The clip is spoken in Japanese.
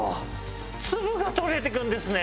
粒が取れていくんですね。